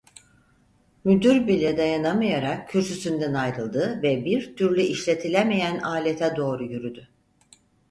Müdür bile dayanamayarak kürsüsünden ayrıldı ve bir türlü işletilemeyen alete doğru yürüdü.